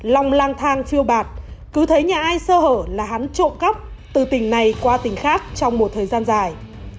long lang thang phiêu bạc cứ thấy nhà ai sơ hở là hắn trộm cắp từ tỉnh này qua tỉnh khác trong một thời gian dài